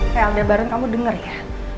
hei aldebaran kamu denger ya